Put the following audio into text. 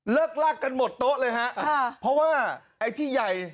ลากกันหมดโต๊ะเลยฮะเพราะว่าไอ้ที่ใหญ่